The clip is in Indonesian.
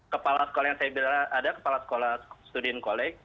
kepala sekolah yang saya bilang ada kepala sekolah studin collect